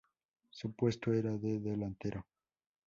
Su puesto era de delantero.